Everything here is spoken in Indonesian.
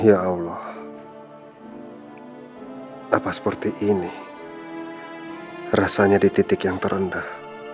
ya allah apa seperti ini rasanya di titik yang terendah